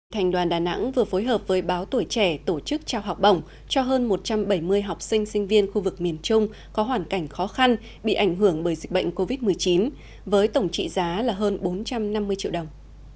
thành đoàn đà nẵng vừa phối hợp với báo tuổi trẻ tổ chức trao học bổng cho hơn một trăm bảy mươi học sinh sinh viên khu vực miền trung có hoàn cảnh khó khăn bị ảnh hưởng bởi dịch bệnh covid một mươi chín với tổng trị giá là hơn bốn trăm năm mươi triệu đồng